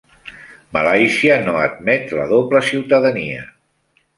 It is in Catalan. Malàisia no admet la doble ciutadania.